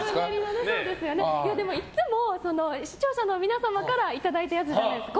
でもいつも視聴者の皆様からいただいたやつじゃないですか。